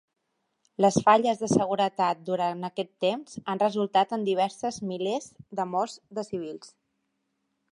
Les falles de seguretat durant aquest temps han resultat en diverses milers de morts de civils.